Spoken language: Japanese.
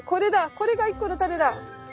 これが１個のタネだ！